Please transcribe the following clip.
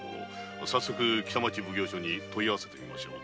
早速北町奉行所に問い合わせてみましょう。